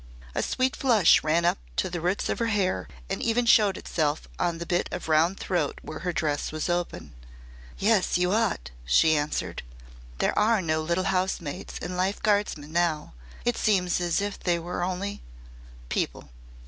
A sweet flush ran up to the roots of her hair and even showed itself on the bit of round throat where her dress was open. "Yes, you ought," she answered. "There are no little housemaids and life guardsmen now. It seems as if there were only people."